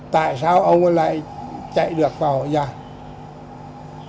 tại sao ông lại chạy được vào hậu giang